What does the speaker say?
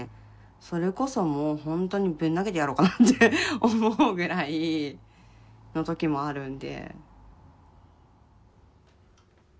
それこそもうほんとにぶん投げてやろうかなって思うぐらいの時もあるんで。